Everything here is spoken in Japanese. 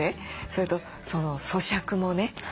それとそしゃくもね。